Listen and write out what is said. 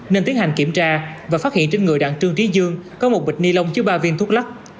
nên tiến hành kiểm tra và phát hiện trên người đặng trương trí dương có một bịch ni lông chứa ba viên thuốc lắc